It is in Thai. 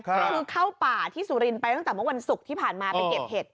คือเข้าป่าที่สุรินทร์ไปตั้งแต่เมื่อวันศุกร์ที่ผ่านมาไปเก็บเห็ด